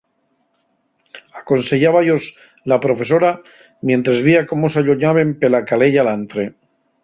Aconseyába-yos la profesora mientres vía cómo s'alloñaben pela caleya alantre.